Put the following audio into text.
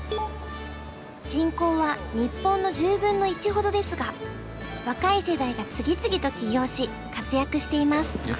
人口は日本の１０分の１ほどですが若い世代が次々と起業し活躍しています。